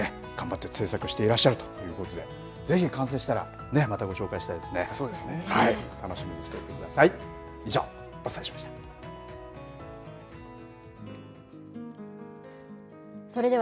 当時の職人の技を追体験しながら頑張って製作していらっしゃるということでぜひ完成したらまたご紹介したいですね。